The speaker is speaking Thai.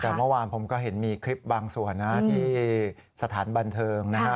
แต่เมื่อวานผมก็เห็นมีคลิปบางส่วนนะที่สถานบันเทิงนะฮะ